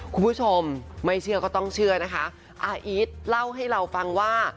คุณผู้ชมไม่เชื่อก็ต้องเชื่อนะคะอาอีทเล่าให้เราฟังว่า